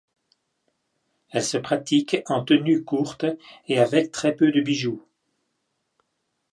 Elles se pratiquent en tenues courtes et avec très peu de bijoux.